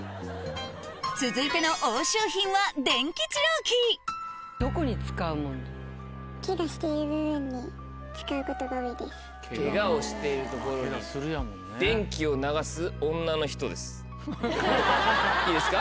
続いての押収品はいいですか？